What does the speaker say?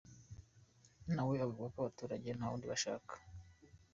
Nawe avuga ko abaturage nta wundi bashaka!!!.